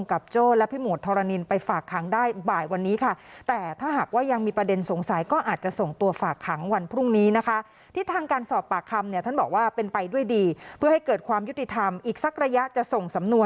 ค่าเป็นสิทธิ์ของเขาเราจะไปบังคับเขาว่าไม่ให้พูดไม่ให้อ้างก็